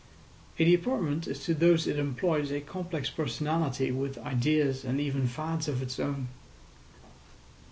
A department is to those it employs a complex personality with ideas and even fads of its own.